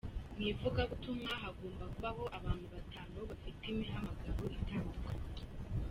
Mu ivugabutumwa hagomba kubaho abantu batanu bafite imihamagaro itandukanye